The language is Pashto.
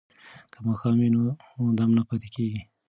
که ماښام وي نو دم نه پاتې کیږي.